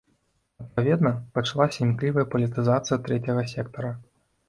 Адпаведна, пачалася імклівая палітызацыя трэцяга сектара.